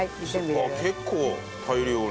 ああ結構大量に。